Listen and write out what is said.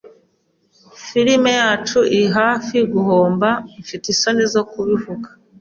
Firime yacu iri hafi guhomba, mfite isoni zo kubivuga.